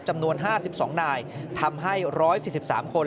จำนวน๕๒นายทำให้๑๔๓คน